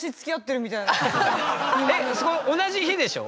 えっ同じ日でしょ？